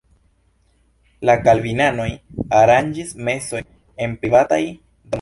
La kalvinanoj aranĝis mesojn en privataj domoj.